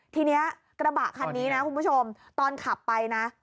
ทีนี้กระบะคันนี้นะคุณผู้ชมตอนขับไปนะ